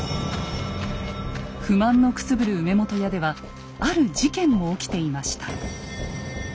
不満のくすぶる梅本屋ではある事件も起きていました。